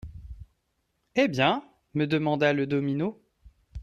Eh bien ! me demanda le domino.